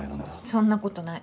そんなことない。